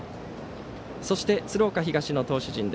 そして鶴岡東の投手陣。